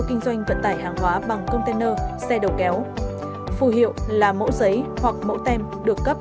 kinh doanh vận tải hàng hóa bằng container xe đầu kéo phù hiệu là mẫu giấy hoặc mẫu tem được cấp